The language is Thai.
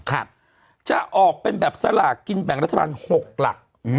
ครับจะออกเป็นแบบสลากกินแบ่งรัฐบาลหกหลักอืม